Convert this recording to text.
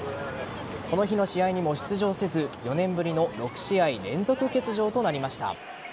この日の試合にも出場せず４年ぶりの６試合連続欠場となりました。